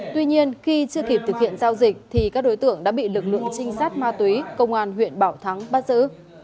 tuy nhiên khi chưa kịp thực hiện giao dịch thì các đối tượng đã bị lực lượng trinh sát ma túy công an huyện bảo thắng bắt giữ